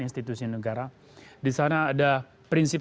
institusi negara di sana ada prinsip